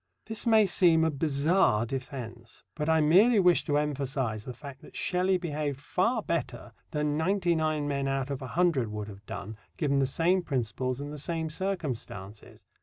This may seem a bizarre defence, but I merely wish to emphasize the fact that Shelley behaved far better than ninety nine men out of a hundred would have done, given the same principles and the same circumstances.